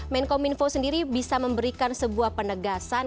menko minfo sendiri bisa memberikan sebuah penegasan